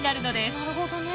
なるほどね。